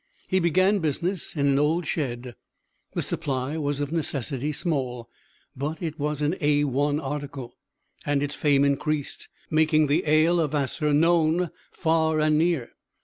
He began business in an old shed. The supply was of necessity small, but it was an A 1. article, and its fame increased, making the ale of Vassar known far and near.